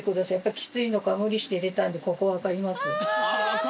やっぱきついのか無理して入れたんでここ分かります？